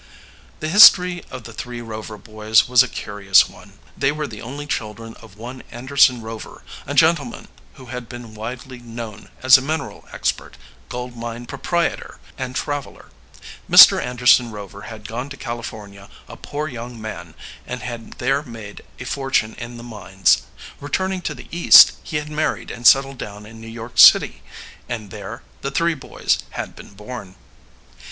The history of the three Rover boys was a curious one. They were the only children of one Anderson Rover, a gentleman who had been widely known as a mineral expert, gold mine proprietor, and traveler. Mr. Anderson Rover had gone to California a poor young man and had there made a fortune in the mines. Returning to the East, he had married and settled down in New York City, and there, the three boys had been born.